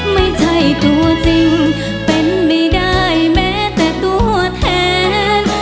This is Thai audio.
ไม่ใช่ตัวจริงเป็นไม่ได้แม้แต่ตัวแทน